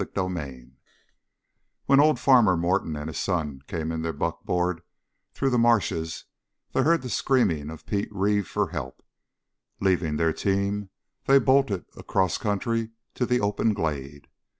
CHAPTER 10 When old Farmer Morton and his son came in their buckboard through the marshes, they heard the screaming of Pete Reeve for help. Leaving their team, they bolted across country to the open glade.